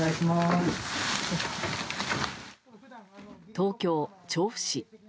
東京・調布市。